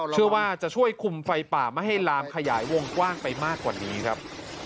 เชื่อว่าจะช่วยคุมไฟป่าไม่ให้ลามขยายวงกว้างไปมากกว่านี้ครับ